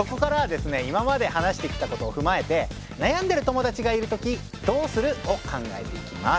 今まで話してきたことをふまえて悩んでる友だちがいるときどうする？を考えていきます。